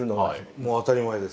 もう当たり前です。